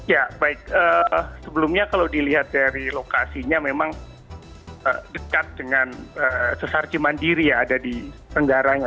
ya baik sebelumnya kalau dilihat dari lokasinya memang dekat dengan sesar cimandiri yang ada di tenggaranya